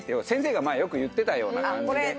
先生が前よく言ってたような感じで。